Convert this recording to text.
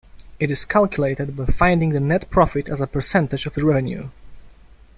It is calculated by finding the net profit as a percentage of the revenue.